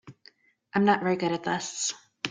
I'm not very good at this.